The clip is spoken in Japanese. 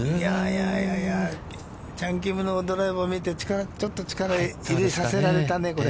チャン・キムのドライバーを見て、ちょっと力を入れさせられたね、これ。